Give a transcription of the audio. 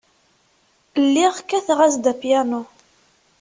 Lliɣ kkateɣ-as-d apyanu.